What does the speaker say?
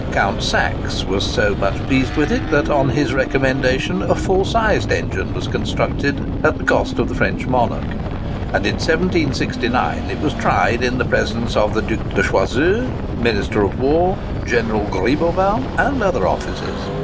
Count Saxe was so much pleased with it, that on his recommendation a full sized engine was constructed at the cost of the French monarch; and in 1769 it was tried in the presence of the Duc de Choiseul, Minister of War, General Gribeauval, and other officers.